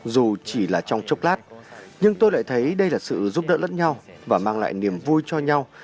dù chỉ là trong chốc lát nhưng tôi lại thấy đây là sự giúp đỡ lẫn nhau và mang lại niềm vui cho nhau